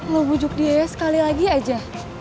lo bujuk dia ya sekali lagi aja